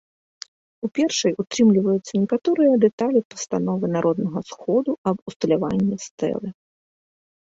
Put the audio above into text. У першай утрымліваюцца некаторыя дэталі пастановы народнага сходу аб усталяванні стэлы.